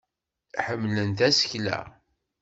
Ḥemmlen tasekla.